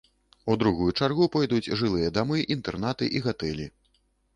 У другую чаргу пойдуць жылыя дамы, інтэрнаты і гатэлі.